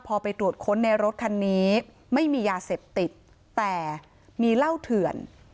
พอไปตรวจค้นในรถคันนี้ไม่มียาเสพติดแต่มีเหล้าเถื่อน